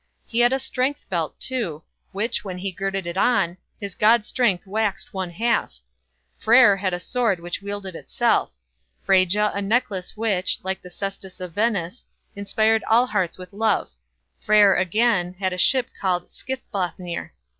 He had a strength belt, too, which, when he girded it on, his god strength waxed one half; Freyr had a sword which wielded itself; Freyja a necklace which, like the cestus of Venus, inspired all hearts with love; Freyr, again, had a ship called Skithblathnir.